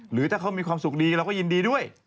หรือถ้าเขามีความสุขดีเราก็ยินดีด้วย